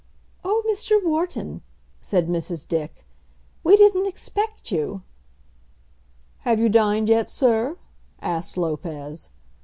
"Oh, Mr. Wharton," said Mrs. Dick, "we didn't expect you." "Have you dined yet, sir?" asked Lopez.